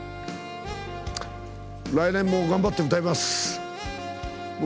来年も頑張って歌います。